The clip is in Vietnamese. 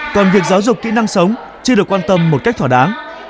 còn việc giáo dục kỹ năng sống chưa được quan tâm một cách thỏa đáng